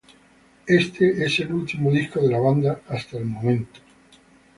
Este es el último disco de la banda hasta el momento.